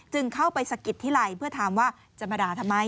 เข้าไปสะกิดที่ไหล่เพื่อถามว่าจะมาด่าทำไม